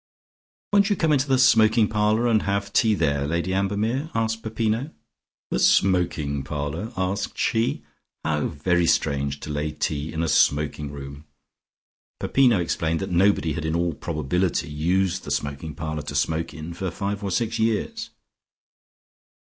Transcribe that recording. "Won't you come into the smoking parlour, and have tea there, Lady Ambermere?" asked Peppino. "The smoking parlour?" asked she. "How very strange to lay tea in a smoking room." Peppino explained that nobody had in all probability used the smoking parlour to smoke in for five or six years.